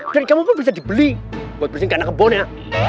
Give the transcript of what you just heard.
dan kamu pun bisa dibeli buat bersingkat anak kebon ya